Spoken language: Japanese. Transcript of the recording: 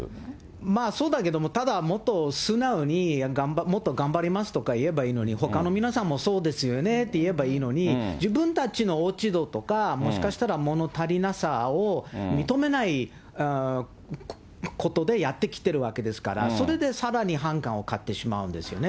まあそうだけども、ただもっと、素直にもっと頑張りますとか言えばいいのに、ほかの皆さんも、そうですよねって言えばいいのに、自分たちの落ち度とか、もしかしたら物足りなさを認めないことでやってきてるわけですから、それでさらに反感を買ってしまうんですよね。